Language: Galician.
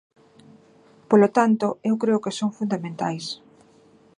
Polo tanto, eu creo que son fundamentais.